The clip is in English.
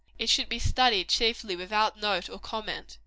It should be studied chiefly without note or comment.